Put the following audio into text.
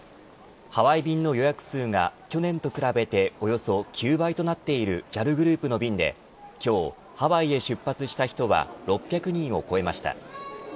ハワイ便の予約数が去年に比べておよそ９倍となっているＪＡＬグループの便で今日、ハワイへ出発した人は６００人を超えました。